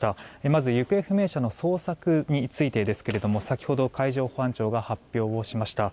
まず、行方不明者の捜索についてですけれども先ほど海上保安庁が発表しました。